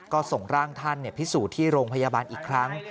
ก็ส่งร่างท่านพิสูจน์ที่โรงพยาบาลอีกครั้ง